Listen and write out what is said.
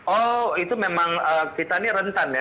oh itu memang kita ini rentan ya